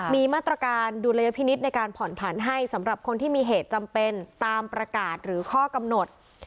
มีมาตรการดุลยพินิษฐ์ในการผ่อนผันให้สำหรับคนที่มีเหตุจำเป็นตามประกาศหรือข้อกำหนด